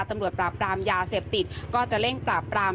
ตำรวจปราบปรามยาเสพติดก็จะเร่งปราบปราม